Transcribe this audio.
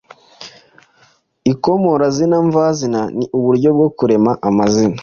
Ikomorazina mvazina ni uburyo bwo kurema amazina